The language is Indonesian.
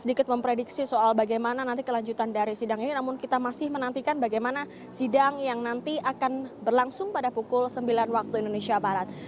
sedikit memprediksi soal bagaimana nanti kelanjutan dari sidang ini namun kita masih menantikan bagaimana sidang yang nanti akan berlangsung pada pukul sembilan waktu indonesia barat